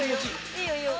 いいよいいよ。